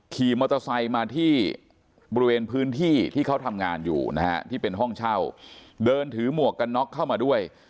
ขี่มอเตอร์ไซค์มาที่บริเวณพื้นที่ที่เขาทำงานอยู่นะฮะที่เป็นห้องเช่าเดินถือหมวกกันน็อกเข้ามาด้วย